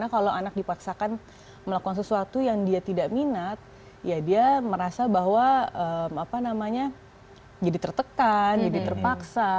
kalau anak dipaksakan melakukan sesuatu yang dia tidak minat ya dia merasa bahwa apa namanya jadi tertekan jadi terpaksa